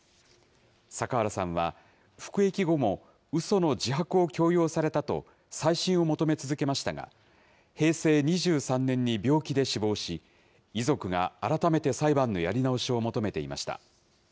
阪原さんは、服役後もうその自白を強要されたと、再審を求め続けましたが、平成２３年に病気で死亡し、遺族が改めて裁判のやり直しを求めていました。